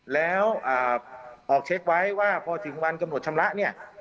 แล้วออกเช็คไว้ว่าพอถึงวันกำหนดชำระเนี่ย